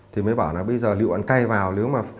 thì mới bảo là bây giờ liệu bắn cây vào